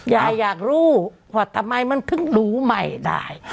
อยากรู้ว่าทำไมมันถึงรู้ใหม่ได้